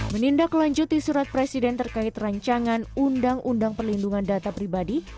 menindak lanjuti surat presiden terkait rencangan undang undang perlindungan data pribadi